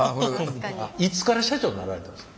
いつから社長になられたんですか？